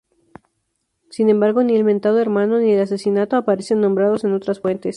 Sin embargo, ni el mentado hermano, ni el asesinato, aparecen nombrados en otras fuentes.